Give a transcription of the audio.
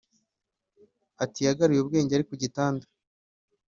Ati “Yagaruye ubwenge ari ku gitanda